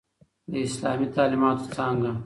د اسلامی تعليماتو څانګه